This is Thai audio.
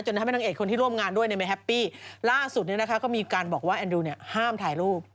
ในแมนแฮปปี้ล่าสุดนี้นะคะก็มีการบอกว่าแอนดรูเนี่ยห้ามถ่ายรูป